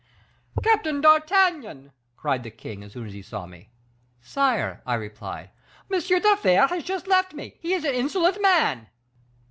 "'Captain d'Artagnan,' cried the king, as soon as he saw me. "'Sire,' I replied. "'M. de la Fere has just left me; he is an insolent man.